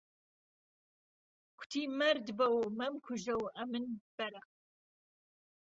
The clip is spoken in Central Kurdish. کوتی: مەرد بەو مەمکوژە و ئەمن بەرە